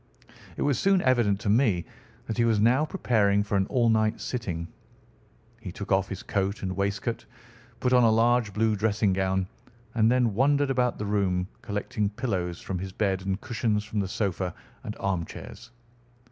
It was soon evident to me that he was now preparing for an all night sitting. He took off his coat and waistcoat, put on a large blue dressing gown, and then wandered about the room collecting pillows from his bed and cushions from the sofa and armchairs.